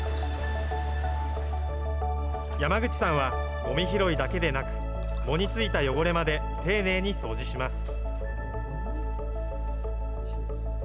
山口さんは、ごみ拾いだけでなく、藻についた汚れまで丁寧に掃除します。